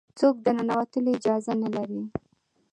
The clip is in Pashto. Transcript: څوک د ننوتلو اجازه نه لري.